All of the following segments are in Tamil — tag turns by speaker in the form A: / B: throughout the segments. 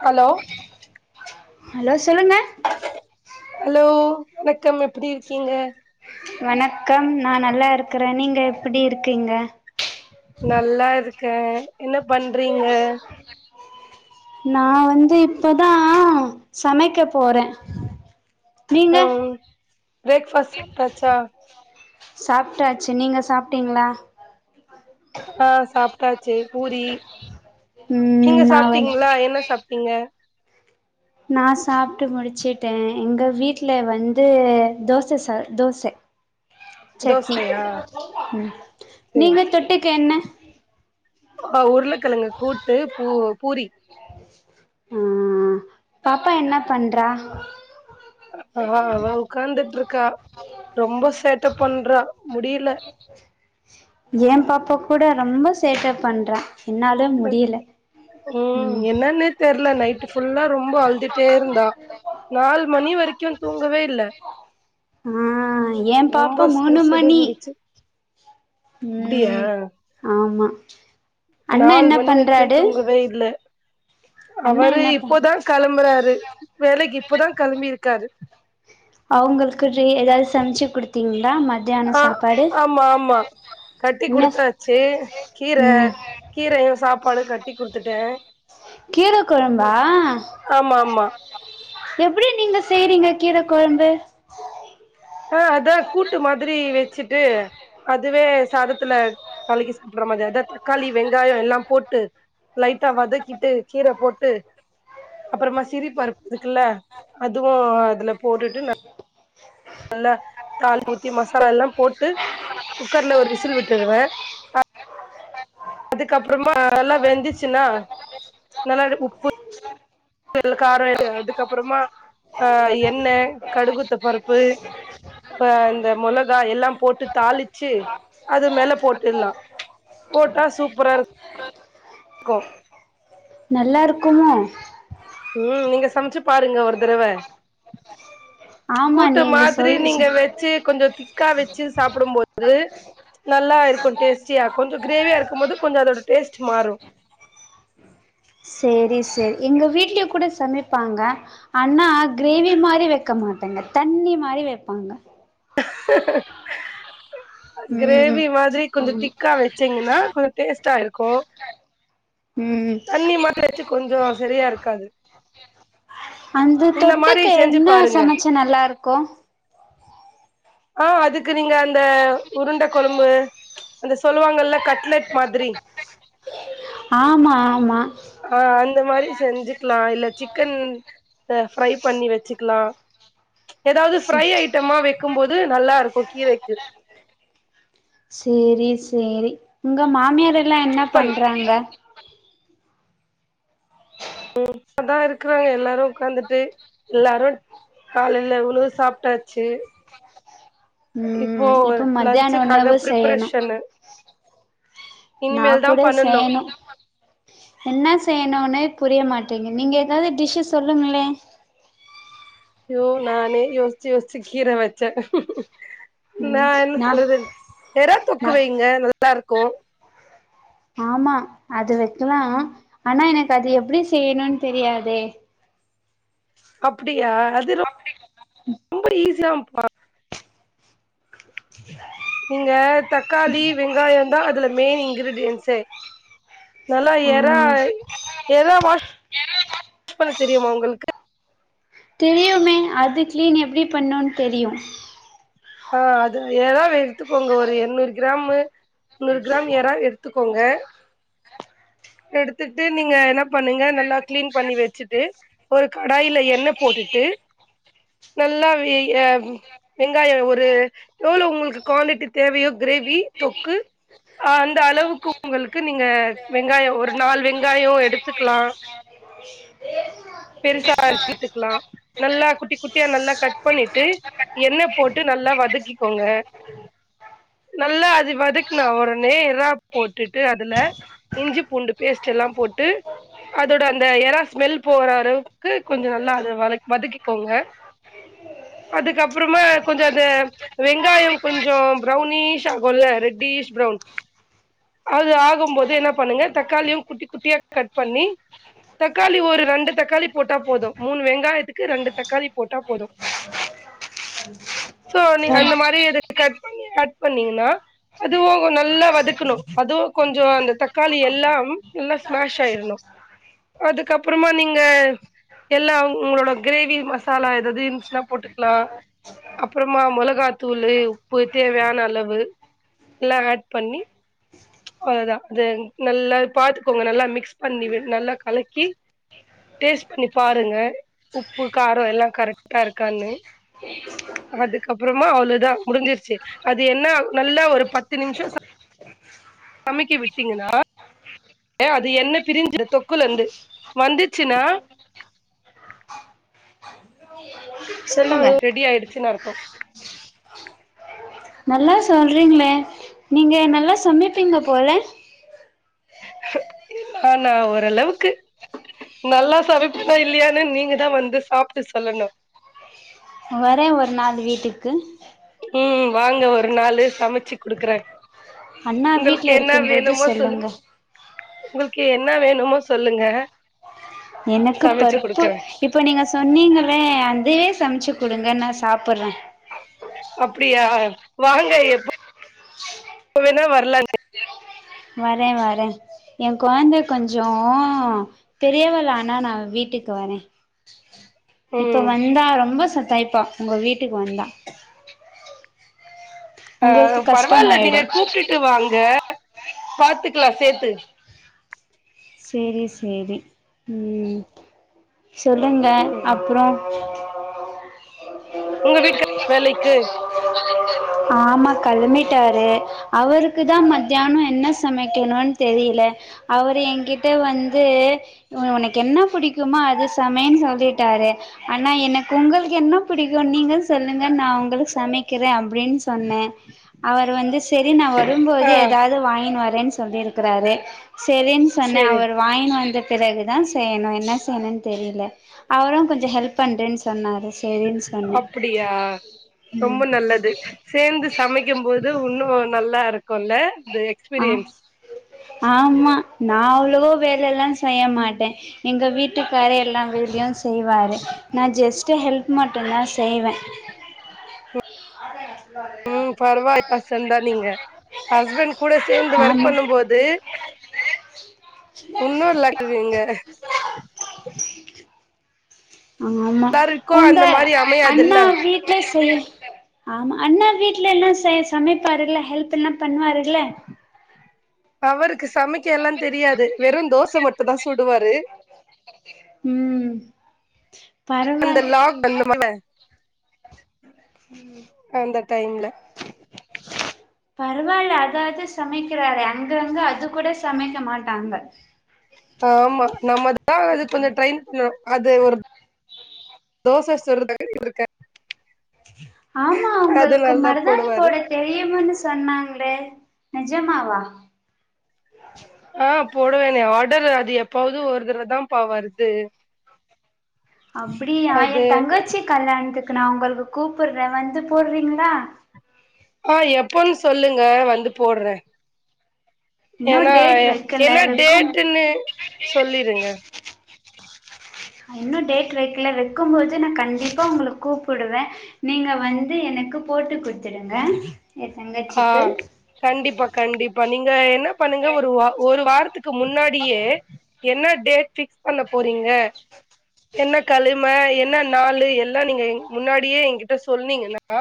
A: ஹலோ
B: ஹலோ சொல்லுங்க
A: ஹலோ வணக்கம் எப்டி இருக்கீங்க
B: வணக்கம் நா நல்லா இருக்கறே நீங்க எப்டி இருக்கீங்க
A: நல்லா இருக் க என்ன பண்றீங்க
B: நா வந்து இப்பதா சமைக்க போறே நீங்க
A: ஓ பிரேக்பாஸ்ட் சாப்ட்டாச்சா
B: சாப்ட்டாச்சு நீங்க சாப்ட்டீங்களா
A: ஆ சாப்ட்டா சே பூரி
B: ம்
A: நீங்க
B: நா வந்து
A: சாப்ட்டீங்களா என்ன சாப் நீங்க
B: நா சாப்பிட்டு முடிச்சுட்டே எங்க வீட்ல வந்து தோச சார் தோச சட்னி
A: தோசையா
B: ம்
A: சேரி
B: நீங்க தொட்டுக்க என்ன [inaudible]
A: ஆ உருளக்கிழங்க கூட்டு பூ பூரி
B: ஆ பாப்பா என்ன பண்றா
A: ஆ அவ உக்காந்துட்டு இருக்கா ரொம்ப சேட்ட பண்றா முடியல
B: எ பாப்பா கூட ரொம்ப சேட்ட பண்றா என்னால முடியல
A: ம் என்னனே தெர்ல நைட்டுஃபுல்லா ரொம்ப அழு தேர்ந்தா நாலு மணி வரைக் க்யு தூங்கவே இல்ல
B: ஆ ஏ பாப்பா
A: ரொம்ப சிடு சிடு
B: மூனுமணி
A: இருந்துச்சு அப்டியா
B: ம் ஆமா அண்ணா
A: நாலு
B: என்ன
A: மணி வரைக்கு
B: பண்றாரு
A: தூங்கவே இல்ல
B: அண்ணா
A: அவரு
B: என்ன பண்
A: இப்பதா கெளம்புறாரு வேலைக்கு இப்பதா கெளம்பிருக் க்காரு
B: அவங்களுக்கு ரே எதாது சமச்சி குடுத்தீங்க
A: ஆ ஆமா ஆமா கட்டி
B: என்ன
A: குடுத்தாச்சி கீர
B: ம்
A: கீரையு சாப்பாடுகட்டி குடுத்துட்டே
B: கீர கொழம்பா
A: ஆமா ஆமா
B: எப்பிடி நீங்க செய்றீங்க கீர கொழம்பு
A: ஆ அதா கூட்டு மாரி வச்சிட்டு அதுவே சாதத்துல கலிக்கி சாப்பிற மாரி அதா தக்காளி வெங்காயோ எல்லா போட்டு லைட்டா வதக்கிட்டு கீர போட்டு அப்புறமா சிரி பருப்பு இருக்குல்ல அதுவுஅதுல போட்டுட்டு நல்லா தாளிப்புத்தி மசாலா எல்லா போட்டு குக்கர்ல ஒரு விசில் விட்டுவே அதுக்கப்புறமா நல்லா வெந்துச்சுனா நல்லா இது உப்பு உப்பு எ கார எ அதுக்கப்புறமா அ எண்ணெ கடுககுத்தபருப்பு அ இந்த மொளகா எல்லா போட்டு தாளிச்சு அது மேல போட்டுடலா போட்டா சூப்பரா இரு கோ
B: நல்லா இருக்குமோ
A: ம் நீங்க சமச்சி பாருங்க ஒரு தரவ
B: ஆமா
A: கூட்டு
B: நீங்க
A: மாதிரி
B: சொல்
A: நீங்க வச்சி கொஞ்ச திக் க்கா வச்சி சாப்பிடும்போது நல்லா இருக்கு டேஸ்டியா கொஞ்சோ கிரேவியா இருக்கும்போது கொஞ்ச அதோட டேஸ்ட் மாறு
B: சேரி சேரி எங்க வீட்லியே கூட சமைப்பாங்க ஆனா கிரேவி மாரி வைக்க மாட்டேங் தண்ணி மாரி வைப்பாங்க ம்
A: கிரேவி மாதிரி கொஞ்சோ
B: ஆமா
A: திக்கா வச்சீங்கன்னா கொஞ்ச டேஸ்டா இருக்கு
B: ம்
A: தண்ணி மாரி வச்சி கொஞ்சோ செரியா இருக்காது
B: அந்த
A: இந்த மாரி
B: தொட்டுக்க
A: செஞ்சு
B: என்ன
A: பாருங்க
B: சமச்சா நல்லா இருக்கு
A: ஆ அதுக்கு நீங்க அந்த உருண்ட கொழம்பு அந்த சொல்லுவாங்கல கட்லெட் மாதிரி
B: ஆமா ஆமா
A: இந்த மாரி செஞ்சுக்கலா இல்ல சிக்கன்த ஃப்ரை பண்ணி வச்சிக்கலா எதாவது
B: ச
A: ஃப்ரை ஐட்டமா வைக் இருக்கும்போது நல்லா இருக்கு கீரைக்கு
B: சேரி சேரி உங்க மாமியார ல்ல என்ன
A: ப்பல்
B: பண்றாங்க
A: ம் இப்பதா இருக்கறாங்க எல்லாரு உக்காந்துட்டு எல்லாரு காலையல உணவு சாப்பிட்டாச்சி
B: இப்ப மத்தியான உணவு செய்யணு
A: ப்ரிப்பரேஷனு
B: நா
A: இனிமேல் தா
B: கூட
A: பண்ணணு
B: செய்யனு என்ன செய்யனுனே புரியமாட்டீங் நீங்க எதாவது டிஷ்ஷு சொல்லுங்களே
A: யோ நானே யோசிச்சு யோசிச்சு கீர வச்சே நா என்ன சொல்றது எறா தொக்கு
B: நா
A: வைங்க நல்லா இருக்கு கோ
B: ஆமா அது வக்கலா ஆனா எனக்கு அது எப்டி செய்யணும்னு தெரியாதே
A: அப்டியா அது ரொம் ரொம்படி ஈஸியாம்ப்பா நீங்க தக்காளி வெங்காய அந்த அதுல மெயினுங்கிறது இன்சைடு நல்லா
B: ஆ
A: எறா எறா வாஷ் இது பண்ண தெரியுமா உங்களுக்கு
B: தெரியுமே அது கிளீன் எப்டி பண்ணோன் தெரியு
A: ஆ அது எறாவ எடுத்துக்கோங்க ஒரு எந்நூறு கிராம் முன்னூறு கிராம் எறாவ எடுத்துக்கோங்க எடுத்துட்டு நீங்க என்ன பண்ணுங்க நல்லா கிளீன் பண்ணி வச்சுட்டு ஒரு கடாயில எண்ணெ போட்டுட்டு நல்லா வெங்காய ஒரு எவ்ளோ உங்களுக்கு குவான்டிட்டி தேவயோ கிரேவி தொக்கு அந்த அளவுக்கு உங்களுக்கு நீங்க வெங்காய ஒரு நாள் வெங்காய எடுத்துக்கலா பெருசாத்துக்கலா நல்லா குட்டி குட்டியா நல்லா கட் பண்ணிட்டு எண்ணெ போட்டு நல்லா வதக்கிக்கோங்க நல்லா அது வதக்கனா உடனே எறா போட்டுட்டு அதுல இஞ்சி பூண்டு பேஸ்ட் எல்லா போட்டு அதோட அந்த எற ஸ்மெல் போற ளவுக்கு கொஞ்ச நல்ல வதக்கிக்கோங்க அதுக்கப்பறமா கொஞ்ச வெங்காய கொஞ்ச ப்ரவுனீசா இருக்குல்ல ரெட்டிஸ் ப்ரவுன் அது ஆகும் போது என்ன பண்ணுங்க தக்காளிய குட்டி குட்டிய கட் பண்ணி தக்காளி ஒரு ரெண்டு தக்காளி போட்டா போது மூணு வெங்காயத்துக்கு ரெண்டு தக்காளி போட்டா போது சோ நீ
B: பர்
A: அந்த மாரி எது கட் பண்ணி கட் பண்ணிங்கனா அதுவு நல்லா வதக்கணு அதுவு கொஞ்ச அந்த தக்காளி எல்லா நல்லா ஸ்மேஸ் ஆயிரனு அதுக்கப்பறமா நீங் இங்க எல்லா உங்களோட கிரேவி மசாலா எதாது இருந்துச்சுனா போட்டுக்கலா அப்பறமா மொளகாத்தூள் உப்பு தேவையான அளவு எல்லா ஆட் பண்ணி அதா நல்லா பாத்துக்கோங்க நல்லா மிக்ஸ் பண்ணி நல்லா கலக்கி டேஸ்ட் பண்ணி பாருங்க உப்பு கார எல்லா கரெக்ட்டா இருக்கான்னு அதுக்கப்பறமா அவ்வளவுதா முடிஞ்சிருச்சு அது என்ன நல்லா ஒரு பத்து நிமிஷ சமைக்க விட்டீங்கன்னா அது எண்ணெ பிரிஞ்சு தொக்குல இருந்து வந்துச்சுனா ஆ
B: சொல்லுங்க
A: அது ரெடி ஆயடுது அச்சினு அர்த்தோ
B: நல்லா சொல்றீங்களே நீங்க நல்லா சமைப்பீங்க போல
A: நானா ஓரளவுக்கு நல்லா சமைப்பனா இல்லையானு நீங்கதா வந்து சாப்ட்டு சொல்லணு
B: வரே ஒரே ஒரு நாள் வீட்டுக்கு
A: ம் வாங்க ஒரு நாளு சமச்சு குடுக்குறே
B: அண்ணா
A: உங்களுக்கு
B: வீட்ல
A: என்ன
B: இருக்குபோது
A: வேணுமோ
B: செல்லுங்க
A: சொல்லுங்க உங்களுக்கு என்ன வேணுமோ சொல்லுங்க
B: எனக்கு
A: சமைச்சு
B: பருப்பு
A: குடுக்குறே
B: இப்ப நீங்க சொன்னீங்களே அதுவே சமைச்சு குடுங்க நா சாப்பறே
A: அப்டியா வாங்க எப்ப எப்பவேணா வரலனு
B: வரே வரே எ கொழந்த கொஞ்ச பெரியவள ஆனா நா வீட்டுக்கு வரே இப்ப
A: ம்
B: வந்தா ரொம்ப சத் டைப்பா உங்க வீட் டுக்கு வந்தா
A: ஆ
B: உங்களுக்கு
A: பரவால்ல நீங்க
B: கஷ்டமாயிடு
A: கூப்ட்டுட்டு வாங்க பாத்துக்கலா சேத்து
B: செரி செரி ம் சொல்லுங்க
A: ம்
B: அப்றோ ஓ
A: உங்க வீட்டுக்கார் வேலைக் க்கு
B: ஆமா கெளம்பிட்டாரு அவருக்குதா மத்யானோ என்ன சமைக்கணுன் தெரியல அவரு என்கிட்ட வந்து உ உனக்கு என்ன பிடிக்குமோ அது சமைன்னு சொல்லிட்டாரு ஆனா எனக்கு உங்களுக்கு என்ன பிடிக்கு நீங்க சொல்லுங்க நா உங்களுக்கு சமைக்கிறே அப்டின் சொன்னே அவர் வந்து செரி நா வரும்போது
A: ஆ
B: எதாவது வாங்கினு வ ரேன்னு சொல்லி இருக்கிறாரு செரின்னு சொன்னே
A: சேரி
B: அவர் வாங்கினு வந்து பிறகுதா செய்யணு என்ன செய்யணுன் தெரியல அவரு கொஞ்ச ஹெல்ப் பண்றேன்னு சொன்னாரு செரின்னு சொன்னே
A: அப்பிடியா
B: ம்
A: ரொம்ப நல்லது சேந்து சமைக்கும் போது உன்னு நல்லா இருக்கு இல்ல
B: ஆ ஆமா நா அவ்ளவு வேலெல்லா செய்ய மாட்டே எங்க வீட்டுக்காரு எல்லா வேலையு செய்வாரு நா ஜஸ்ட்டு ஹெல்ப் மட்டுந்தா செய்வே
A: ம் பரவாயில்ல பர்சன் தா நீங்க ஹஸ்பண்ட் கூட சேந்து
B: [unintelligible]
A: ஒர்க்
B: ஆமா
A: பண்ணும் போது உன்னு நல்லா ஆக்குவீங்க
B: ஆமா
A: எல்லாருக்கு
B: உங்க
A: அந்த மாரி
B: அண்ணா
A: அமையாதுல்ல
B: வீட்ல [unintelligible] ஆமா அண்ண வீட்ல எல்லா சே சமைப்பாருல்ல ஹெல்ப் எல்லா பண்ணுவாருல்ல
A: அவருக்கு சமைக்க எல்லாந் தெரியாது வெறு தோச மட்டுந்தா சுடுவாரு
B: ம்
A: அந்த
B: பரவால்
A: லாக் [inaudible] அந்த டைம்ல
B: பரவால்ல அதாது சமைக்கிறாரே அங்கங்க அது கூட சமைக்க மாட்டாங்க
A: ஆமா நம்மதா அது கொஞ்சோ ட்ரெயின் பண்ணு அது ஒரு தோசை சுரதா இருக்க
B: ஆமா
A: அது
B: உங்களுக்கு
A: நல்லா
B: மருதானி
A: போடுவாரு
B: போட தெரியும்ன்னு சொன்னாங்களே நெஜமாவா
A: ஆ போடவேனே ஆர்டர் அது எப்பாது ஒரு தடவதாபா வருது
B: அப்பிடியா ஏ
A: அது
B: தங்கச்சி கல்யாணத்துக் க்கு நா உங்களுக்கு கூப்புறே வந்து போறீங்களா
A: ஆ எப்போன்னு சொல்லுங்க வந்து போடறே
B: இன்னு
A: ஏனா
B: டேட் வெக்கல
A: என்ன
B: வெக்கும்
A: டேட்டுன்னு சொல்லிருங்க
B: இன்னு டேட் வைக்கல வைக்கும் போது நா கண்டிப்பா உங்களுக்கு கூப்புடுவே நீங்க வந்து எனக்கு போட்டு குடுத்துடுங்க எ
A: ஆ
B: தங்கச்சிக்கு
A: கண்டிப்பா கண்டிப்பா நீங் க என்ன பண்ணுங்க ஒரு வா ஒரு வாரத்துக்கு முன்னாடியே என்ன டேட் ஃபிக்ஸ் பண்ண போறீங்க என்ன கழமை என்ன நாள் எல்லா முன்னாடியே ஏங்கிட்ட சொன்னீங்கன்னா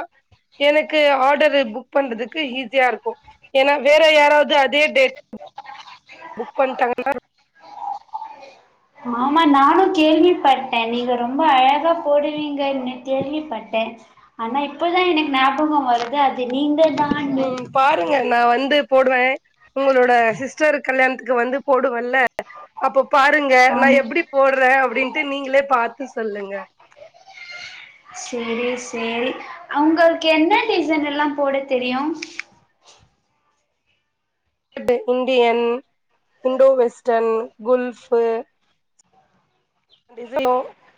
A: எனக்கு ஆடரு புக் பண்றதுக்கு ஈஸியா இருக்கு ஏன்னா வேற யாராவது அதே டேட் புக் பண்ணட்டாங்கனா
B: ஆமா நானு கேள்விப்பட்டே நீங்க ரொம்ப அழகா போடுவீங்கனு கேள்விப்பட்டே ஆனா இப்பதா எனக்கு ஞாபகம் வருது அது நீங்கதானு
A: ங்க நா வந்து போடுவே உங்களோட சிஸ்டர் கல்யாணத்துக்கு வந்து போடுவேன்ல்ல அப்ப வந்து பாருங்க நா
B: ஆமா
A: எப்பிடி போடுறே அப்பி டின்ட்டு நீங்களே பாத்து சொல்லுங்க
B: சேரி சேரி அவங்களுக்கு என்ன டிசைன் எல்லா போட தெரியு
A: ட்டு Indian Indo western Gulf design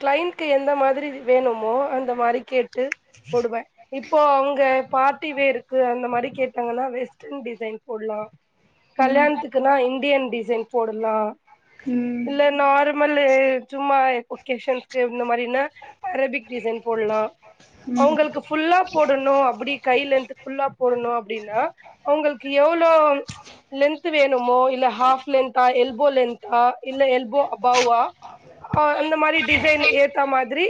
A: கிளைண்ட்கு எந்த மாதிரி வேணுமோ அந்த மாரி கேட்டு போடுவே இப்போ அவங்க பார்ட்டி வேருக்கு அந்த மாரி கேட்டாங்கன்னா வெஸ்டர்ன் டிசைன் போடலா
B: ம்
A: கல்யாணத்துக்குன்னா இந்தியன் டிசைன் போடலா
B: ம்
A: இல்ல நார்மலு சும்மா ஒகேஷஸ்கு இந்த மாரினா அரபிக் டிசைன் போடலா
B: ம்
A: அவங்களுக்கு ஃபுல்லா போடணு அப்பிடி கை லென்த் ஃபுல்லா போடணு அப்பிடின்னா அவங்களுக்கு எவ்ளோ லென்த் வேணுமோ இல்ல ஹாப் லெந்தா எல்போ லென்தா இல்ல எல்போ அபவ்வா ஆ அந்த மாரி டிசைன் ஏத்தா மாதிரி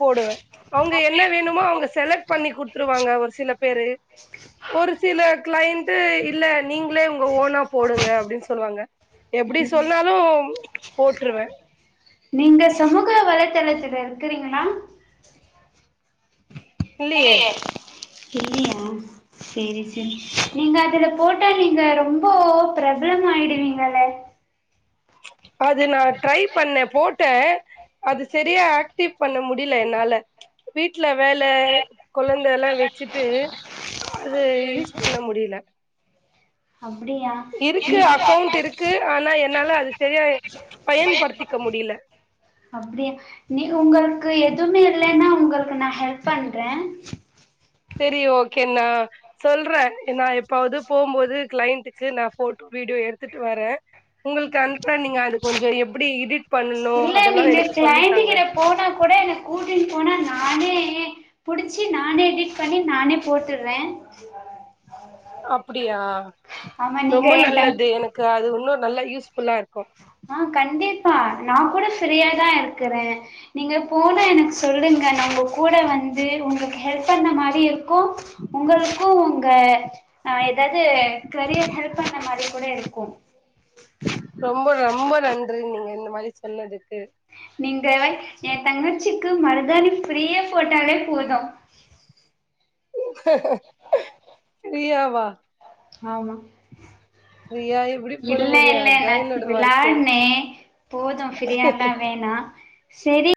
A: போடுவே அவங்க என்ன வேணுமோ அவங்க செலக்ட் பண்ணி குடுத்துருவாங்க ஒரு சில பேரு ஒரு சில கிளைண்ட் இல்ல நீங்களே உங்க ஓனா போடுங்க அப்பிடின்னு சொல்லுவாங்க எப்பிடி சொன்னாலு போட்டுருவே
B: நீங்க சமூக வலைத்தளத்தல இருக்கிறீங்களா
A: இல்லியே
B: இல்லையா சேரி சேரி நீங்க அதுல போட்டா நீங்க ரொம்ப பிரப்ளம் ஆயிடுவீங்கள
A: அது நா ட்ரை பண்ணே போட்ட அது சரியா ஆக்டிவ் பண்ண முடியல என்னால வீட்டுல வேல குழந்த எல்லா வச்சுட்டு அது யூஸ் பண்ண முடியல
B: அப்டியா
A: இருக்கு அக்கவுண்ட் இருக்கு ஆனா எ ன்னால அது சரியா பயன்படுத்திக்க முடில
B: அப்பிடியா நீ உங்களுக்கு எதுவுமே இல்லைன்னா உங்களுக்கு நா ஹெல்ப் பண்றே
A: செரி ஓகே நா சொல்றே நா எப்பாவது போம்போது கிளைண்ட்டக்கு நா போட்டு வீடியோ எடுத்துட்டு வரேன் உங்களுக்கு அனுப்புறே நீங்க அது கொஞ்சோ எப்படி இடிட் பண்ண
B: இல்ல இந்த கிளைண்ட கிட்ட போனா கூட என்ன கூடின்னு போனா நானே ஏ புடிச்சி நானே எடிட் பண்ணி நானே போட்டுறே
A: அப்டியா
B: ஆமா நீங்க
A: ரொம்ப
B: என் தங்
A: நல்லது எனக்கு அது ஒ இன்னு நல்ல யூஸ்ஃபுல்லா இருக்கு
B: ஆ கண்டிப்பா நா கூட ஃப்ரீயா தா இருக்குறே நீங்க போனா எனக்கு சொல்லுங்க நா உங்க கூட வந்து உங்களுக்கு ஹெல்ப் பண்ண மாரியு இருக்கு உங்களுக்கு உங்க ஆ ஏதாது கரியர் ஹெல்ப் பண்ண மாரி கூட இருக்கு கும்
A: நன்றிங்க இந்த மாதிரி சொன்னதுக்கு
B: நீங்க எ தங்கச்சி க்கு மருதாணி ஃபிரீயா போட்டாவே போது
A: ஃப்ரியா வா
B: ஆமா
A: எப்டி பண்ண
B: இல்ல
A: முடியு
B: இல்ல
A: அதுதா
B: நா
A: என்னோட ஒர்க்கு
B: விளான்னே போது ஃபிரீயால்லா வேணா செரி